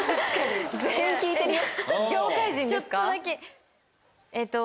全員聞いてるよ。